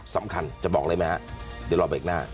สำคัญจะบอกเลยไหมฮะเดี๋ยวรอเบรกหน้า